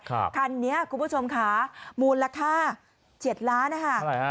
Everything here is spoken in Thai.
ครับคันนี้คุณผู้ชมค่ะมูลค่าเฉียดล้านนะฮะอะไรฮะ